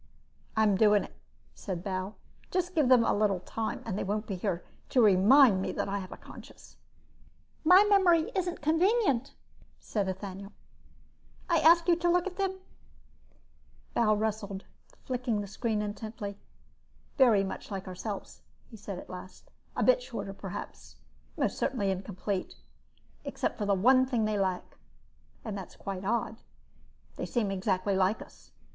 "I'm doing it," said Bal. "Just give them a little time and they won't be here to remind me that I have a conscience." "My memory isn't convenient," said Ethaniel. "I ask you to look at them." Bal rustled, flicking the screen intently. "Very much like ourselves," he said at last. "A bit shorter perhaps, and most certainly incomplete. Except for the one thing they lack, and that's quite odd, they seem exactly like us.